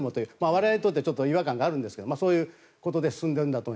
我々にとっては違和感があるんですがそういうことで進んでいるんだと。